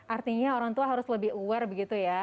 artinya orang tua harus lebih aware begitu ya